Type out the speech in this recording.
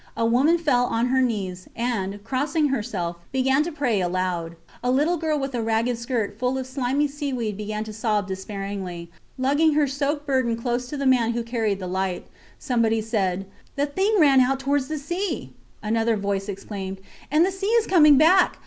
A woman fell on her knees, and, crossing herself, began to pray aloud. A little girl with her ragged skirt full of slimy seaweed began to sob despairingly, lugging her soaked burden close to the man who carried the light. Somebody said: The thing ran out towards the sea. Another voice exclaimed: And the sea is coming back!